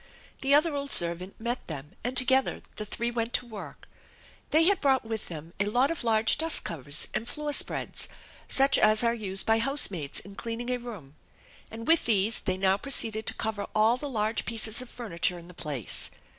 The other old servant met them, and together the three went to work. They had brought with them a lot of large dust covers and floor spreads such as are used by housemaids in cleaning a room, and with these they now proceeded to cover all the large pieces of furniture in the place.